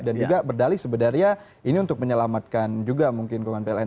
dan juga berdalih sebenarnya ini untuk menyelamatkan juga mungkin kawasan pln